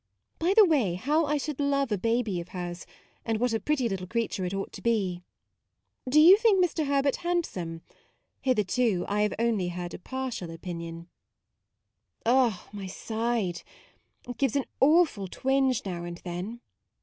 By the way, how I should love a baby of hers, and what a pretty little creature it ought to be. Do you think Mr. Herbert handsome ? hither to I have only heard a partial opinion. 92 MAUDE Uh, my side! it gives an awful twinge now and then.